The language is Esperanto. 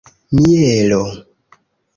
mielo